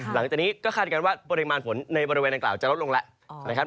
หลังจากนี้ก็คาดการณ์ว่าปริมาณฝนในบริเวณดังกล่าวจะลดลงแล้วนะครับ